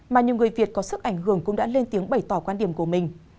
mà nhiều người việt có sức ảnh hưởng cũng đã lên tiếng bày tỏ quan điểm của mình